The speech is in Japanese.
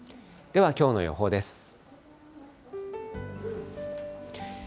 では、きょうの予報です。